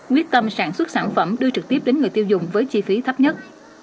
quyết tâm sản xuất sản phẩm đưa trực tiếp đến người tiêu dùng với chi phí thấp nhất